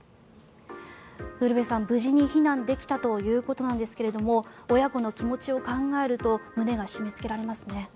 ウルヴェさん、無事に避難できたということなんですが親子の気持ちを考えると胸が締めつけられますね。